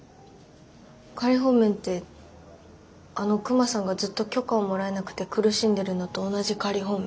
仮放免ってあのクマさんがずっと許可をもらえなくて苦しんでるのと同じ仮放免？